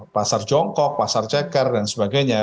pasar jongkok pasar ceker dan sebagainya